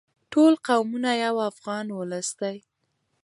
ټول قومونه یو افغان ولس دی.